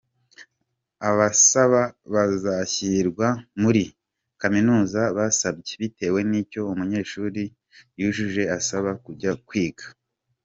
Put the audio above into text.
Abasaba bazashyirwa muri kaminuza basabye bitewe n’icyo umunyeshuri yujuje asaba kujya kwiga.